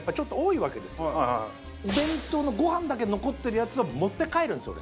お弁当のご飯だけ残ってるやつは持って帰るんですよ